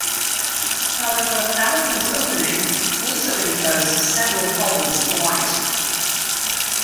However, Alapin's Opening also incurs several problems for White.